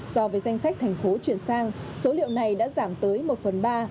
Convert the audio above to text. so với danh sách tp hcm chuyển sang số liệu này đã giảm tới một phần ba